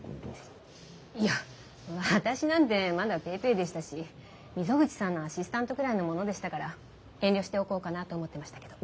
いや私なんてまだぺぇぺぇでしたし溝口さんのアシスタントくらいのものでしたから遠慮しておこうかなと思ってましたけど。